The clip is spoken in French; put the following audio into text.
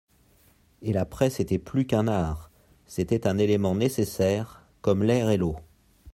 Et la Presse était plus qu'un art : c'était un élément nécessaire, comme l'air et l'eau.